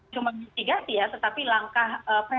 cuma mitigasi ya tetapi langkah